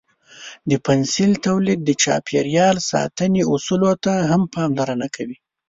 د پنسل تولید د چاپیریال ساتنې اصولو ته هم پاملرنه کوي.